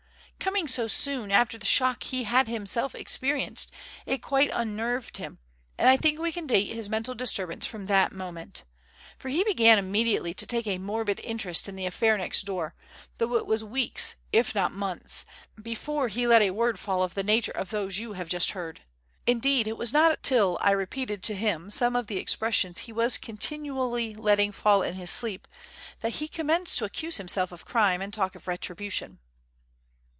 Coming so soon after the shock he had himself experienced, it quite unnerved him, and I think we can date his mental disturbance from that moment. For he began immediately to take a morbid interest in the affair next door, though it was weeks, if not months, before he let a word fall of the nature of those you have just heard. Indeed it was not till I repeated to him some of the expressions he was continually letting fall in his sleep, that he commenced to accuse himself of crime and talk of retribution."